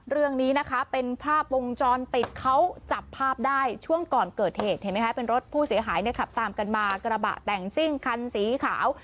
เรื่องนี้นะคะเป็นภาพวงจรปิดเขาจับภาพได้ช่วงก่อนเกิดเหตุเห็นไหมคะเป็นรถผู้เสียหายเนี่ยขับตามกันมากระบะแต่งซิ่งคันสีขาว